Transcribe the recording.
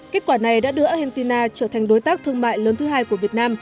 kết quả này đã đưa argentina trở thành đối tác thương mại lớn thứ hai của việt nam